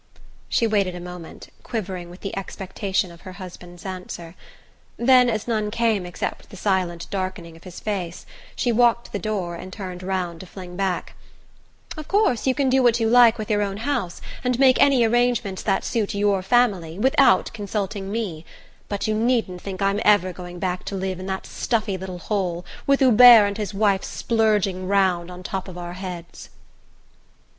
She waited a moment, quivering with the expectation of her husband's answer; then, as none came except the silent darkening of his face, she walked to the door and turned round to fling back: "Of course you can do what you like with your own house, and make any arrangements that suit your family, without consulting me; but you needn't think I'm ever going back to live in that stuffy little hole, with Hubert and his wife splurging round on top of our heads!"